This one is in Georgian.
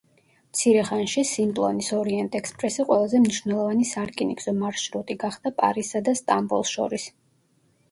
მცირე ხანში სიმპლონის ორიენტ-ექსპრესი ყველაზე მნიშვნელოვანი სარკინიგზო მარშრუტი გახდა პარიზსა და სტამბოლს შორის.